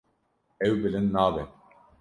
Ew bilind nabe.